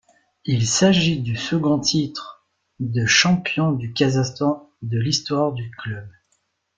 Il s'agit du second titre de champion du Kazakhstan de l'histoire du club.